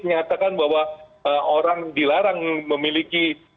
menyatakan bahwa orang dilarang memiliki